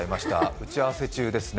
打ち合わせ中ですね。